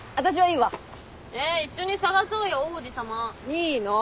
いいの。